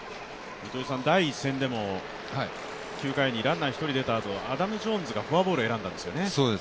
第１戦でも、９回にランナー１人出たあとアダム・ジョーンズがフォアボールを選んだんですよね。